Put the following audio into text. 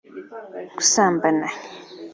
gusambana